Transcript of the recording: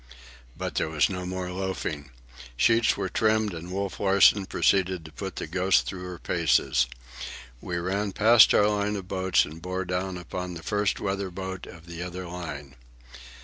But there was no more loafing. Sheets were trimmed, and Wolf Larsen proceeded to put the Ghost through her paces. We ran past our line of boats and bore down upon the first weather boat of the other line.